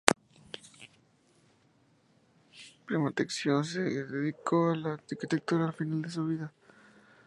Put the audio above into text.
Primaticcio se dedicó a la arquitectura al final de su vida.